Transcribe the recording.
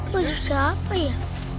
baju siapa ya